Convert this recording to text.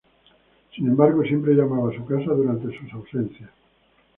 Sin embargo, siempre llamaba a su casa durante sus ausencias.